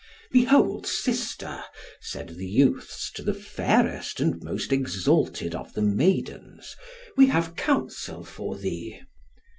"Behold, sister," said the youths to the fairest and most exalted of the maidens, "we have counsel for thee."